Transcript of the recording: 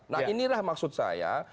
nah inilah maksud saya